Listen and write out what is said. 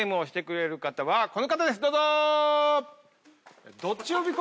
どうぞ。